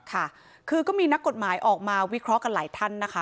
ค่ะคือก็มีนักกฎหมายออกมาวิเคราะห์กันหลายท่านนะคะ